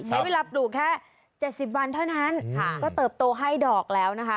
ใช้เวลาปลูกแค่๗๐วันเท่านั้นก็เติบโตให้ดอกแล้วนะคะ